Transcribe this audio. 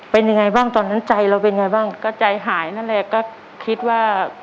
เป็นยังไงบ้างตอนนั้นใจเราเป็นไงบ้างก็ใจหายนั่นแหละก็คิดว่า